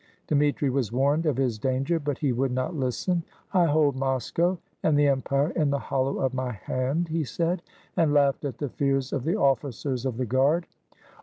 Dmitri was warned of his danger, but he would not listen. "I hold Moscow and the em pire in the hollow of my hand," he said, and laughed at the fears of the officers of the guard.